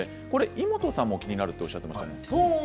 イモトさんも気になるとおっしゃっていましたね。